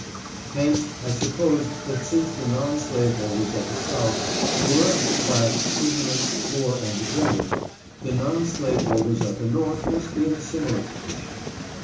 Hence I supposed that since the non slaveholders at the south were, as a class, ignorant, poor and degraded, the non slaveholders at the north must be in a similar condition.